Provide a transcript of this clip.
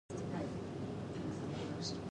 游戏发生在一个被称作「提瓦特」的幻想世界。